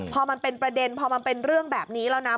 พอมันเป็นประเด็นพอมันเป็นเรื่องแบบนี้แล้วนะ